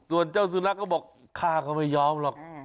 ส่วนเจ้าสุนัขก็บอกข้าก็ไม่ยอมหรอก